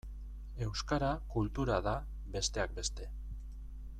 Euskara kultura da, besteak beste.